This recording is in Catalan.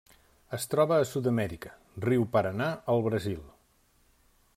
Es troba a Sud-amèrica: riu Paranà al Brasil.